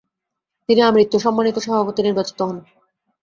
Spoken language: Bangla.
তিনি আমৃত্যু সম্মানিত সভাপতি নির্বাচিত হন।